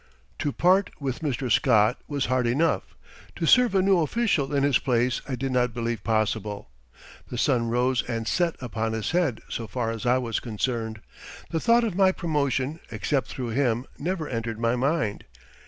To part with Mr. Scott was hard enough; to serve a new official in his place I did not believe possible. The sun rose and set upon his head so far as I was concerned. The thought of my promotion, except through him, never entered my mind.